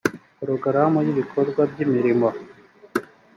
porogaramu y ibikorwa by imirimo